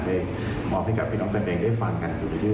ที่มอบให้กับดาวน้องแพนไปได้ฟังอยู่เรื่อยนะครับ